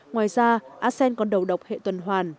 ngoài ra arsen còn đầu độc hệ tuần hoàn